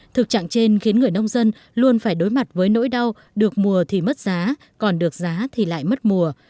thực trạng trên khiến người nông dân luôn phải đối mặt với nỗi đau được mùa thì mất giá còn được giá thì lại mất mùa